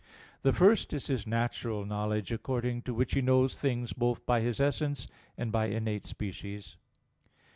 The first is his natural knowledge, according to which he knows things both by his essence, and by innate species.